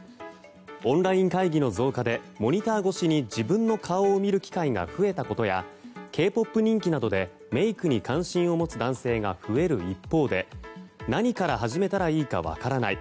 オンライン会議の増加でモニター越しに自分の顔を見る機会が増えたことやＫ‐ＰＯＰ人気などでメイクに関心を持つ男性が増える一方で何から始めたらいいか分からない